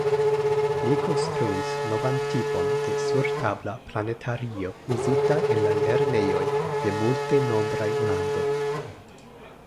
Li konstruis novan tipon de sur-tabla planetario uzita en la lernejoj de multenombraj landoj.